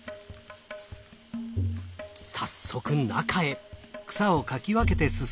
早速中へ。